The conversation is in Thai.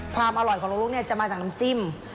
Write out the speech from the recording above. ความอร่อยของลกจะมาจากน้ำจิ้ม